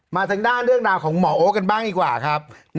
ทางด้านเรื่องราวของหมอโอ๊คกันบ้างดีกว่าครับ